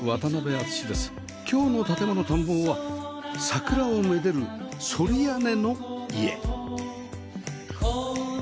今日の『建もの探訪』は桜を愛でる反り屋根の家